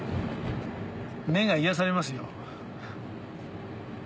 目が癒やされますよ。